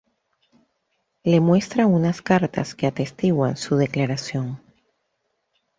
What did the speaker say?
Le muestra unas cartas que atestiguan su declaración.